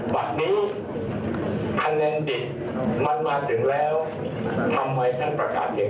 บันนี้อันเน็นดินมันมาถึงแล้วทำไมท่านประกาศเพียง๙๕